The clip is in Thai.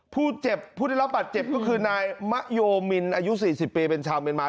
ผู้เจ็บผู้ได้รับบาดเจ็บก็คือนายมะโยมินอายุ๔๐ปีเป็นชาวเมียนมา